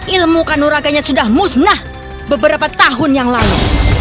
ilmu kanurakanya sudah musnah beberapa tahun yang lalu